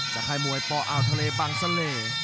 จากค่ายมวยป่ออาวทะเลบางเสลย